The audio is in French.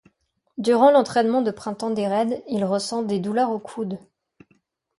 Durant l'entraînement de printemps des Reds, il ressent des douleurs aux coudes.